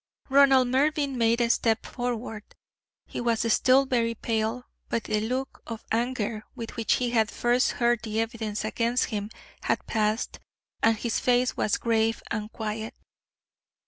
Ronald Mervyn made a step forward. He was still very pale, but the look of anger with which he had first heard the evidence against him had passed, and his face was grave and quiet.